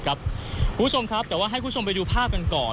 คุณผู้ชมครับแต่ว่าให้คุณผู้ชมไปดูภาพกันก่อน